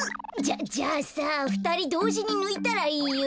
じゃあさふたりどうじにぬいたらいいよ。